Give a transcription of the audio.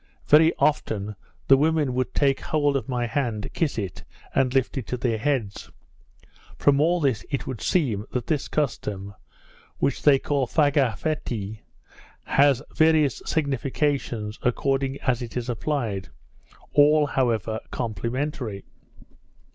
Very often the women would take hold of my hand, kiss it, and lift it to their heads. From all this it should seem, that this custom, which they call fagafatie, has various significations according as it is applied; all, however, complimentary.